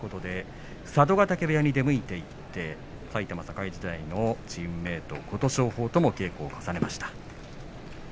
佐渡ヶ嶽部屋に出向いて埼玉栄時代のチームメート琴勝峰との稽古を重ねました。